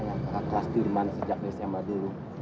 saya yang berkelas firman sejak desa maduro